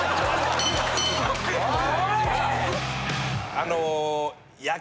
あの。